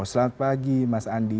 selamat pagi mas andi